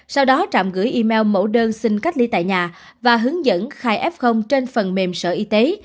sau đó trạm gửi email mẫu đơn xin cách ly tại nhà và hướng dẫn khai f trên phần mềm sở y tế